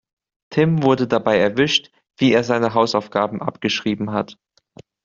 Tim wurde dabei erwischt, wie er seine Hausaufgaben abgeschrieben hat.